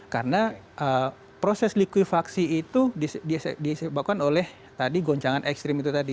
karena proses likuifaksi itu disebabkan oleh tadi goncangan ekstrim itu tadi